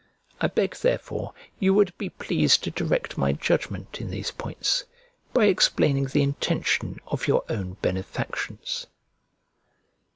I beg, therefore, you would be pleased to direct my judgment in these points, by explaining the intention of your own benefactions.